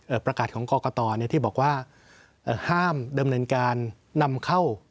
เอ่อประกาศของเนี้ยที่บอกว่าเอ่อห้ามเดิมเนินการนำเข้า